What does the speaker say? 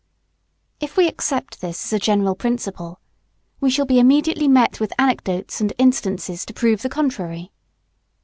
If we accept this as a general principle, we shall be immediately met with anecdotes and instances to prove the contrary.